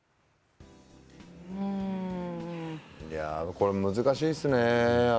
これは難しいですね。